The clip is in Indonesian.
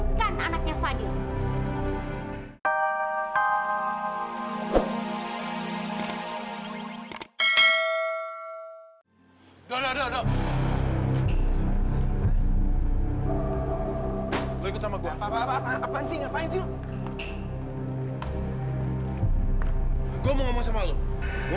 karena tanpa tes dna